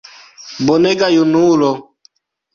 Bonega junulo!